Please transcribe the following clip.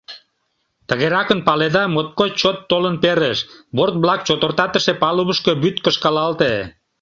Тыгеракын, паледа, моткоч чот толын перыш, борт-влак чотыртатыше палубышко вӱд кышкалалте.